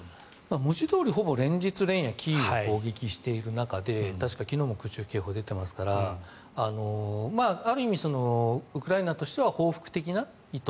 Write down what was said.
文字どおり、ほぼ連日連夜キーウを攻撃している中で確か昨日も空襲警報が出てますからある意味、ウクライナとしては報復的な意図。